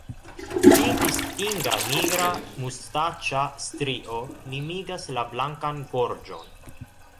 Pli distinga nigra mustaĉa strio limigas la blankan gorĝon.